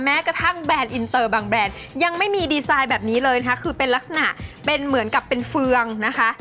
แม้กระทั่งแบรนด์อินเตอร์บางแบรนด์ยังไม่มีดีไซน์แบบนี้เลยนะคะคือเป็นลักษณะเป็นเหมือนกับเป็นเฟืองนะคะ